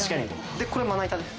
でこれまな板です。